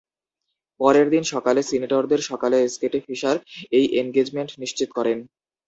পরের দিন সকালে সিনেটরদের সকালের স্কেটে ফিশার এই এনগেজমেন্ট নিশ্চিত করেন।